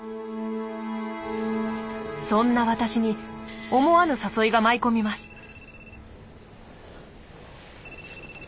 そんな私に思わぬ誘いが舞い込みます。